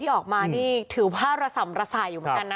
ออกมานี่ถือผ้าระสำระสายอยู่เหมือนกันนะ